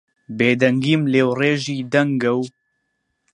بێدەنگیم لێوڕێژی دەنگە و